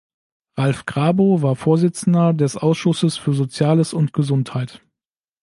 Ralf Grabow war Vorsitzender des Ausschusses für Soziales und Gesundheit.